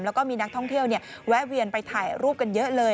แล้วก็มีนักท่องเที่ยวแวะเวียนไปถ่ายรูปกันเยอะเลย